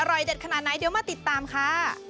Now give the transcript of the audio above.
เด็ดขนาดไหนเดี๋ยวมาติดตามค่ะ